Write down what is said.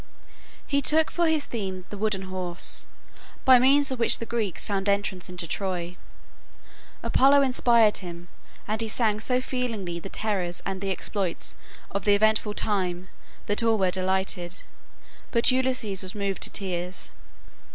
He took for his theme the "Wooden Horse," by means of which the Greeks found entrance into Troy. Apollo inspired him, and he sang so feelingly the terrors and the exploits of that eventful time that all were delighted, but Ulysses was moved to tears.